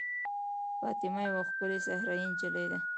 فاطمه یوه ښکلې صحرايي نجلۍ ده.